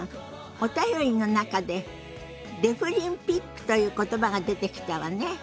お便りの中でデフリンピックという言葉が出てきたわね。